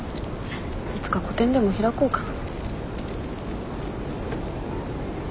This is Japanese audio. いつか個展でも開こうかな。